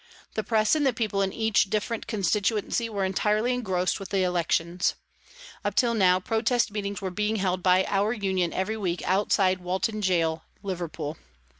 The Press and the people in each different constituency were entirely engrossed with the elections. Up till now, protest meetings were being held by our Union every week outside Walton Gaol, Liverpool.